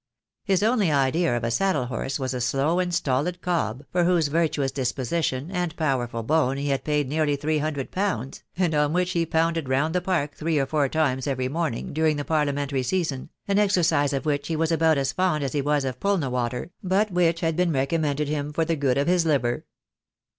His only idea of a saddle horse was a slow and stolid cob, for whose virtuous disposition and powerful bone he had paid nearly three hundred pounds, and on which he pounded round the park three or four times every morning during the Parliamentary season, an exercise of which he was about as fond as he was of Pullna water, but which had been recommended him for the 2;ood of his liver.